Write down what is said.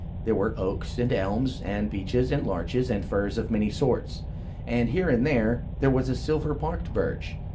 There were oaks, and elms, and beeches, and larches, and firs of many sorts; and here and there, there was a silver barked Birch.